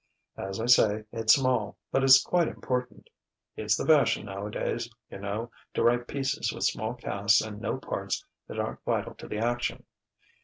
As I say, it's small; but it's quite important. It's the fashion nowadays, you know, to write pieces with small casts and no parts that aren't vital to the action.